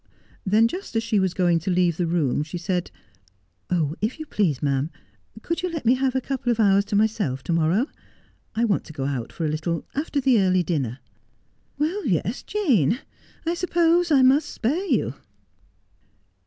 Then, just as she was going to leave the room she said, —' Oh, if you please, ma'am, could you let me have a couple of hours to myself to morrow 1 I want to go out for a little, after the early diuner.' 'Well, yes, Jane. I suppose I must spare you.'